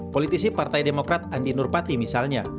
politisi partai demokrat andi nurpati misalnya